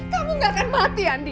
kamu gak akan mati andi